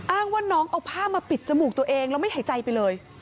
อ้างว่าน้องเอาผ้ามาปิดจมูกตัวเองแล้วไม่หายใจไปเลย